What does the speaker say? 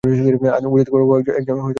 অজিতকুমার গুহ একজন বাঙালি সাহিত্যিক।